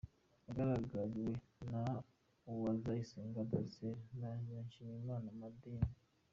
Yagaragiwe na Uzayisenga Dorcella na Nyiranshimiyimana Madine.